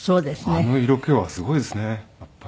あの色気はすごいですねやっぱり。